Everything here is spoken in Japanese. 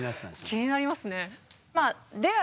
気になりますね。